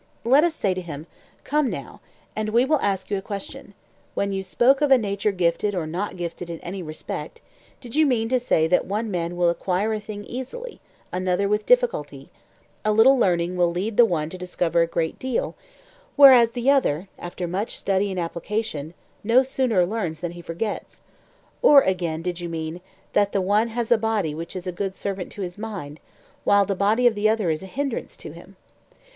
Let us say to him: Come now, and we will ask you a question:—when you spoke of a nature gifted or not gifted in any respect, did you mean to say that one man will acquire a thing easily, another with difficulty; a little learning will lead the one to discover a great deal; whereas the other, after much study and application, no sooner learns than he forgets; or again, did you mean, that the one has a body which is a good servant to his mind, while the body of the other is a hindrance to him?